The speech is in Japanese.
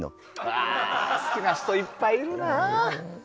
あー、好きな人いっぱいいるなあ！